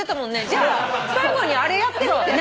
じゃあ最後にあれやってみて。